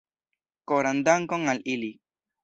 Koran dankon al ili.